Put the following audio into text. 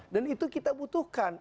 dan itu kita butuhkan